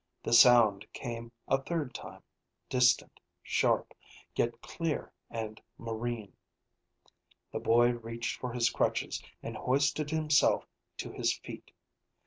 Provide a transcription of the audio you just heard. The sound came a third time, distant, sharp, yet clear and marine. The boy reached for his crutches and hoisted himself to his feet.